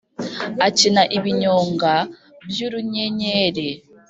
akina ibinyonga by’ urunyenyeri